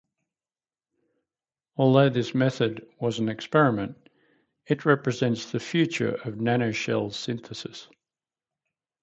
Although this method was an experiment, it represents the future of nanoshells synthesis.